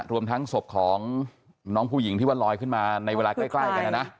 รวมทั้งศพของน้องผู้หญิงที่ว่าลอยขึ้นมาในเวลาใกล้กันนะนะ